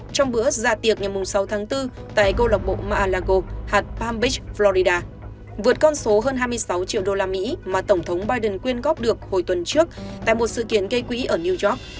tại tiệc ngày sáu tháng bốn tại cô lọc bộ malago hạt palm beach florida vượt con số hơn hai mươi sáu triệu usd mà tổng thống biden quyên góp được hồi tuần trước tại một sự kiến gây quý ở new york